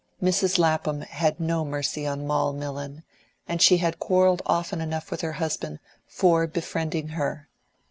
Mrs. Lapham had no mercy on Moll Millon, and she had quarrelled often enough with her husband for befriending her.